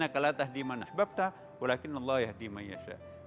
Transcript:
kalian tidak mungkin bisa memberikan pencerahan terhadap orang lain